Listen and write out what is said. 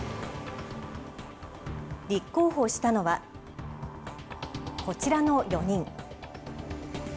立候補したのは、こちらの４人。